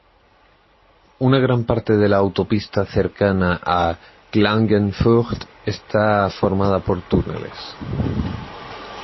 Una gran parte de la autopista cercana a Klagenfurt está formada por túneles.